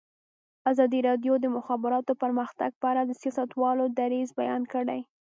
ازادي راډیو د د مخابراتو پرمختګ په اړه د سیاستوالو دریځ بیان کړی.